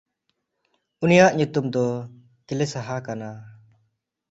ᱩᱱᱤᱭᱟᱜ ᱧᱩᱛᱩᱢ ᱫᱚ ᱠᱮᱞᱮᱥᱦᱟ ᱠᱟᱱᱟ᱾